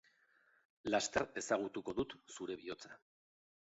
Laster ezagutuko dut zure bihotza.